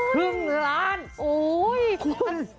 ครึ่งล้านคุณโอ้โฮ